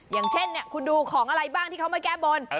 อย่างเช่นคุณดูของอะไรบ้างที่เขามาแก้บน